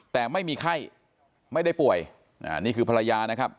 แต่ไม่มีไข้ไม่ได้ป่วยอ่านี่คือภรรยานะครับ